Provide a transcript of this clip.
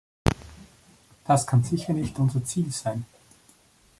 Das kann sicher nicht unser Ziel sein.